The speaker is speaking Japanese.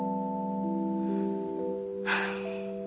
ハァ。